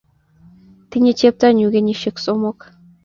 tinye cheptanyuu kenyishek somok